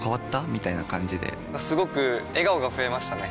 みたいな感じですごく笑顔が増えましたね！